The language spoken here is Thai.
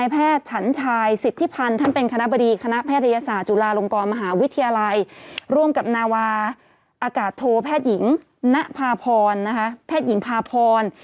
แพทย์หญิงณพาพรนะคะแพทย์หญิงพาพร